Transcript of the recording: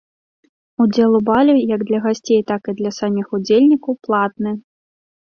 Удзел у балі як для гасцей, так і для саміх удзельнікаў платны.